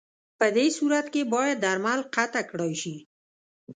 پدې صورت کې باید درمل قطع کړای شي.